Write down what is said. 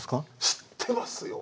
知ってますよ！